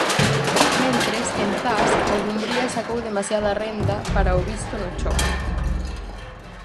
Mentres, en Zas, o Dumbría sacou demasiada renda para o visto no choque.